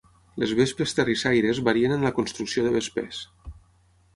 Les vespes terrissaires varien en la construcció de vespers.